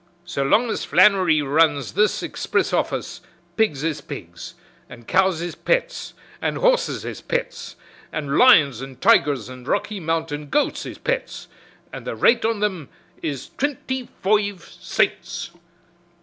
So long as Flannery runs this expriss office pigs is pets an' cows is pets an' horses is pets an' lions an' tigers an' Rocky Mountain goats is pets an' the rate on thim is twinty foive cints."